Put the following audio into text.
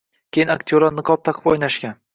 Keyin aktyorlar niqob taqib o‘ynashgan